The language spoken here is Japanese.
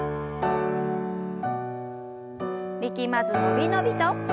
力まず伸び伸びと。